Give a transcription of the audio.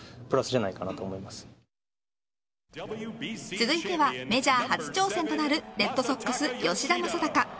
続いてはメジャー初挑戦となるレッドソックス、吉田正尚。